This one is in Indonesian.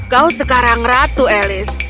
kau sekarang ratu alice